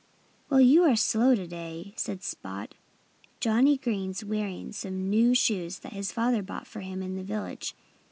"Well, you're slow to day," said Spot. "Johnnie Green's wearing some new shoes that his father bought for him in the village.